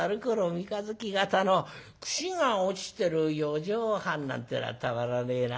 三日月形の櫛が落ちてる四畳半』なんてのはたまらねえな。